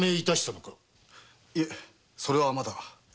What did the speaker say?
いえそれはまだ。